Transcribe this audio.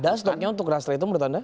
ada stoknya untuk rastra itu menurut anda